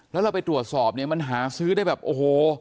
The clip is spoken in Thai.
แล้วเราไปตรวจสอบเนี่ยมันหาซื้อได้แบบโอ้โห